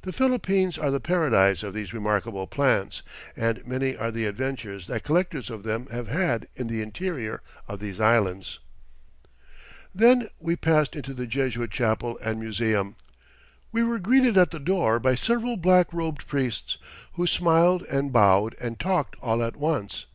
The Philippines are the paradise of these remarkable plants, and many are the adventures that collectors of them have had in the interior of these Islands. Then we passed into the Jesuit chapel and museum. We were greeted at the door by several black robed priests, who smiled and bowed and talked all at once.